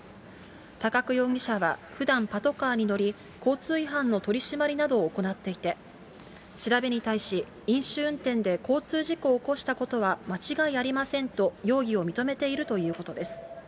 高久容疑者はふだん、パトカーに乗り、交通違反の取り締まりなどを行っていて、調べに対し、飲酒運転で交通事故を起こしたことは間違いありませんと容疑を認めているということです。